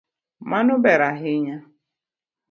Mano ber ahinya.